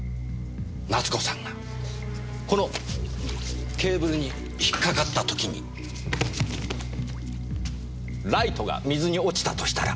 奈津子さんがこのケーブルに引っかかった時にライトが水に落ちたとしたら。